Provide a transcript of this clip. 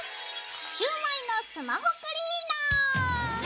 シュウマイのスマホクリーナー！